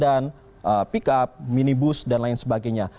dan juga kendaraan kendaraan pickup minibus dan lain sebagainya